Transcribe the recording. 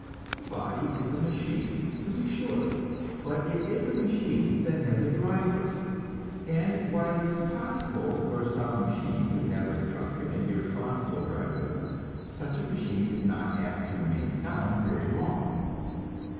The body is a machine, to be sure, but it is a machine that has a driver, and while it is possible for a sound machine to have a drunken and irresponsible driver, such a machine is not apt to remain sound very long.